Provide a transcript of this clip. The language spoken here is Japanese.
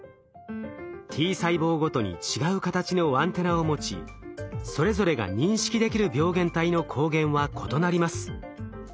Ｔ細胞ごとに違う形のアンテナを持ちそれぞれが認識できる病原体の抗原は異なります。